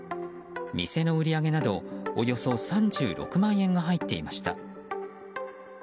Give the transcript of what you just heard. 店の売り上げなどおよそ３６万円が入っていました。